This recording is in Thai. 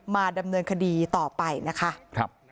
มาดำเนินคดีต่อไปนะคะ